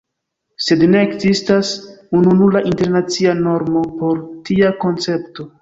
Sed ne ekzistas ununura internacia normo por tia koncepto.